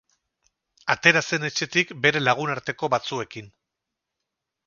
Atera zen etxetik bere lagunarteko batzuekin.